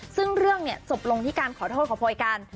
ซึ่งเรื่องเนี่ยจบลงที่การขอโทษขอโพยกัน